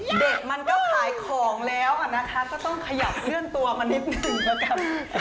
เด็กมันก็ขายของแล้วนะคะก็ต้องขยับเคลื่อนตัวมานิดหนึ่งแล้วกัน